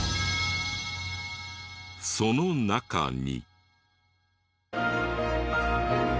その中に。